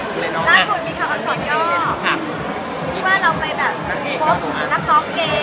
สอนี่อ้อคิดว่าเราไปแบบพบนักน้องเก๋